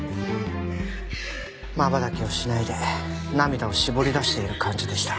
まばたきをしないで涙を搾り出している感じでした。